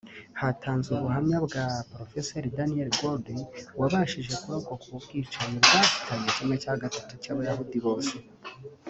Hatanzwe ubuhamya bwa Prof Daniel Gold wabashije kurokoka ubu bwicanyi bwahitanye kimwe cya gatatu cy’Abayahudi bose